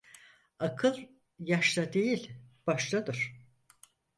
Akıl yaşta değil baştadır.